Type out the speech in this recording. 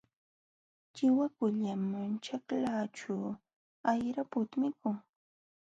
Chiwakullam ćhaklaaćhu ayraputa mikun.